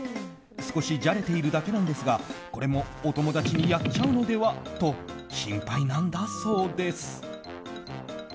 少しじゃれているだけなんですがこれもお友達にやっちゃうのではと心配なんだそうです。